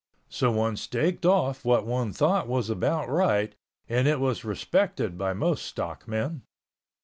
So one staked off what one thought was about right and it was respected by most stockmen.